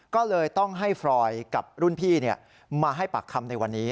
ก็เลยต้องให้ฟรอยกับรุ่นพี่มาให้ปากคำในวันนี้